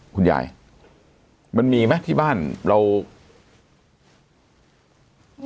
คุณยายมันมีไหมที่บ้านเรา